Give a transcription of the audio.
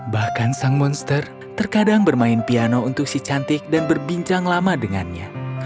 bahkan sang monster terkadang bermain piano untuk si cantik dan berbincang lama dengannya